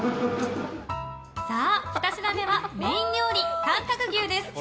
さあ、ふた品目はメイン料理短角牛です。